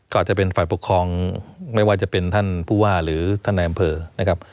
ก็อาจจะเป็นฝ่ายปกครองไม่ว่าจะเป็นท่านผู้ว่าหรือท่านในอำเภอนะครับ